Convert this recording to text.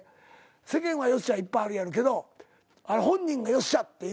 世間は「よっしゃ」いっぱいあるやろうけど本人が「よっしゃ」っていう。